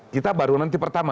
kita baru nanti pertama